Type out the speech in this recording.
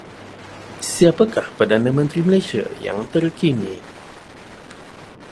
Siapakah Perdana Menteri Malaysia yang terkini?